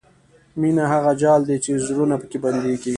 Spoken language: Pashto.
مینه هغه جال دی چې زړونه پکې بندېږي.